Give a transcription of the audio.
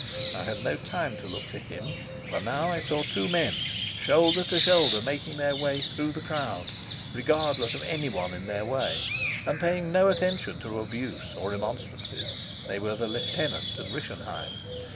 I had no time to look to him, for now I saw two men, shoulder to shoulder, making their way through the crowd, regardless of any one in their way, and paying no attention to abuse or remonstrances. They were the lieutenant and Rischenheim.